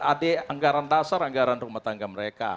ad anggaran dasar anggaran rumah tangga mereka